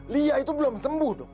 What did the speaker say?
lia itu belum sembuh tuh